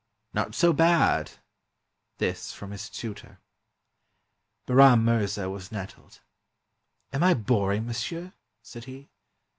"Not so bad!" This from his tutor. Bahram Mirza was nettled. "Am I boring monsieur?" said he.